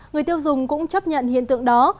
người tiêu dùng cũng chấp nhận hiện tượng đó